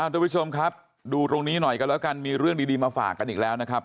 ทุกผู้ชมครับดูตรงนี้หน่อยกันแล้วกันมีเรื่องดีมาฝากกันอีกแล้วนะครับ